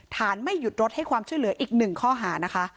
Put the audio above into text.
ไม่หยุดรถให้ความช่วยเหลืออีกหนึ่งข้อหานะคะ